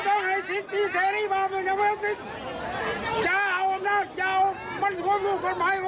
ตำรวจภาคที่หูวาเป็นตำรวจเป็นสำหรับหนึ่งของประเทศจรวดไทย